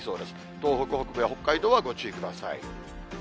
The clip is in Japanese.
東北北部や北海道はご注意ください。